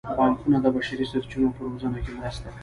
بانکونه د بشري سرچینو په روزنه کې مرسته کوي.